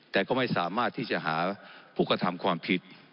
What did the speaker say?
แต่ก็ไม่สามารถที่จะหาผู้กระทำความผิด